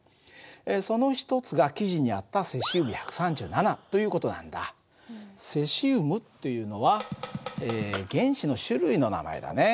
その一つが記事にあったセシウムというのは原子の種類の名前だね。